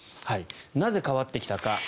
なぜ変わってきたか。